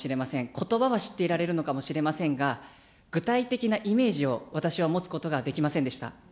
ことばは知っていられるのかもしれませんが、具体的なイメージを私は持つことができませんでした。